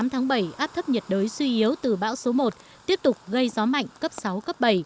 tháng bảy áp thấp nhiệt đới suy yếu từ bão số một tiếp tục gây gió mạnh cấp sáu cấp bảy